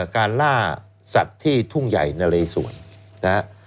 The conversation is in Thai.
การล่าสัตว์ที่ทุ่งใหญ่นะเลสวนนะฮะ